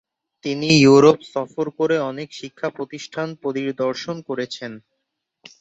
তিনি ইউরোপ সফর করে অনেক শিক্ষা প্রতিষ্ঠান পরিদর্শন করেছেন।